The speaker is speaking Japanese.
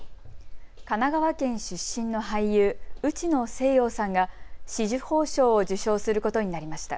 神奈川県出身の俳優、内野聖陽さんが紫綬褒章を受章することになりました。